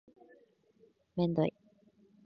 めんどい